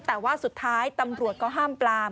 แต่ว่าสุดท้ายตำรวจก็ห้ามปลาม